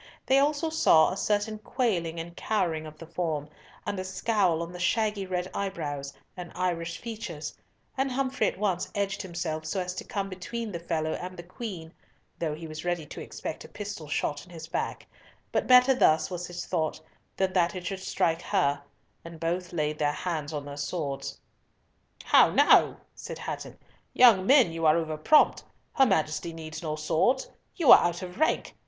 They also saw a certain quailing and cowering of the form, and a scowl on the shaggy red eyebrows, and Irish features, and Humfrey at once edged himself so as to come between the fellow and the Queen, though he was ready to expect a pistol shot in his back, but better thus, was his thought, than that it should strike her,—and both laid their hands on their swords. "How now!" said Hatton, "young men, you are over prompt. Her Majesty needs no swords. You are out of rank.